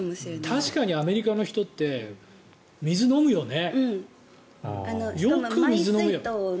確かにアメリカの人って水飲むよね。